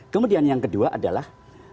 kemudian yang kedua adalah